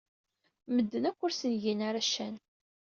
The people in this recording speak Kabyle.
Medden akk ur sen-gin ara ccan.